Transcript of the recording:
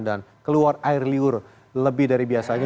dan keluar air liur lebih dari biasanya